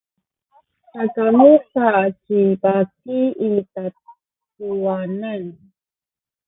sakamu sa ci baki i takuwanan.